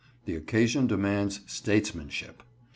The occasion demands statesmanship.